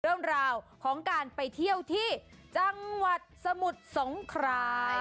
เรื่องราวของการไปเที่ยวที่จังหวัดสมุทรสงคราม